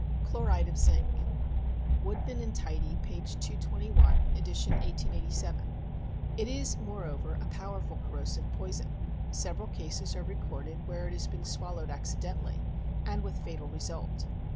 CHLORIDE OF ZINC. Woodman and Tidy, p. 221, ed. 1887 : "It is, moreover, a powerful corrosive poison. Several cases are recorded where it has been swallowed accidentally, and with fatal result.